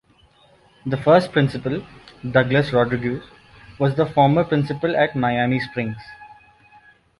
The first principal, Douglas Rodriguez, was the former principal at Miami Springs.